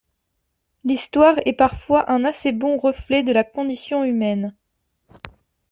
L’histoire est parfois un assez bon reflet de la condition humaine.